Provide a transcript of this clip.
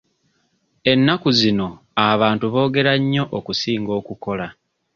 Ennaku zino abantu boogera nnyo okusinga okukola.